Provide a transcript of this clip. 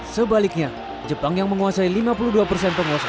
sebaliknya jepang yang menguasai lima puluh dua persen penguasa